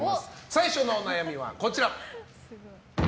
最初のお悩みはこちら。